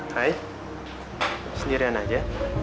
hai sendirian aja